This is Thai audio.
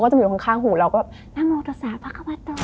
เขาก็อยู่ข้างหูเราก็นโมตัสาพัควาโต